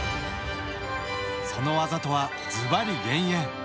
そのワザとはずばり減塩！